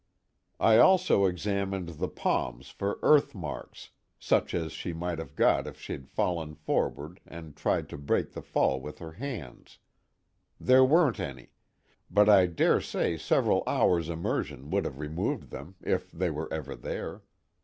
I also examined the palms for earth marks, such as she might have got if she'd fallen forward and tried to break the fall with her hands. There weren't any, but I dare say several hours' immersion would have removed them if they were ever there.